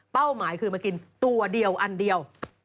หมายคือมากินตัวเดียวอันเดียว